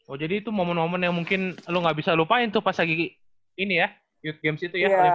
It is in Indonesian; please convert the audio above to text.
oh jadi itu momen momen yang mungkin lu gak bisa lupain tuh pas lagi ini ya youth games itu ya olympic youth games nya